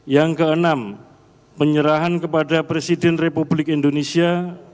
yang keenam menyerahkan kepada presiden republik indonesia